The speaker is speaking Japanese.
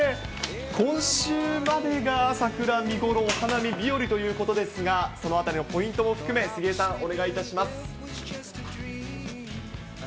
今週までが桜、見頃、お花見日和ということですが、そのあたりのポイントを含め、杉江さん、お願いします。